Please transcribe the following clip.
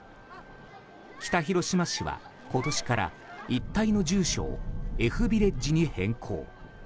北広島市は今年から一帯の住所をＦビレッジに変更。